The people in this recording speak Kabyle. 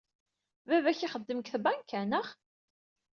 Baba-k ixeddem deg tbanka, naɣ?